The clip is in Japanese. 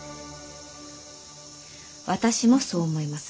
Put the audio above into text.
私もそう思います。